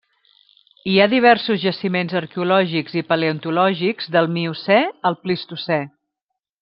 Hi ha diversos jaciments arqueològics i paleontològics del Miocè al Plistocè.